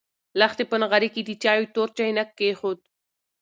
لښتې په نغري کې د چایو تور چاینک کېښود.